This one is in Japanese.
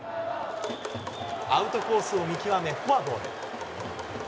アウトコースを見極め、フォアボール。